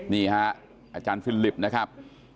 นี่ฮะอาจารย์ฟิลิปนะครับ